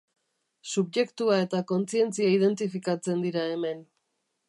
Subjektua eta kontzientzia identifikatzen dira hemen.